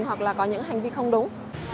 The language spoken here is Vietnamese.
hoặc là có những hành vi không đúng